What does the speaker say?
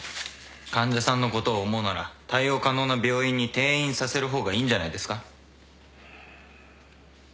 患者さんのことを思うなら対応可能な病院に転院させる方がいいんじゃないですか？